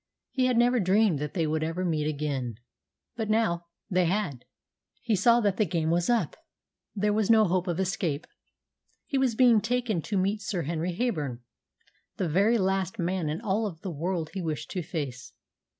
He had never dreamed that they would ever meet again; but, now they had, he saw that the game was up. There was no hope of escape. He was being taken to meet Sir Henry Heyburn, the very last man in all the world he wished to face.